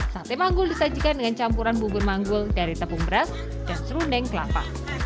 sate manggul disajikan dengan campuran bubur manggul dari tepung beras dan serundeng kelapa